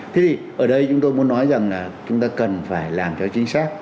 thì ở đây chúng tôi muốn nói rằng là chúng ta cần phải làm cho chính xác